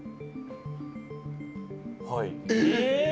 はい。